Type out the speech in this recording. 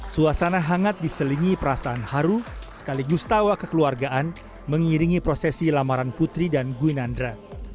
suasana hangat diselingi perasaan haru sekaligus tawa kekeluargaan mengiringi prosesi lamaran putri dan gwinandra